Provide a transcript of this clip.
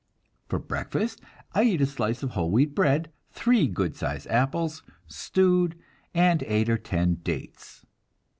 For breakfast I eat a slice of whole wheat bread, three good sized apples, stewed, and eight or ten dates.